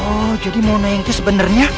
oh jadi mona yang itu sebenarnya